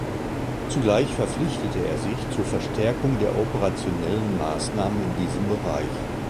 Zugleich verpflichtete er sich zur Verstärkung der operationellen Maßnahmen in diesem Bereich.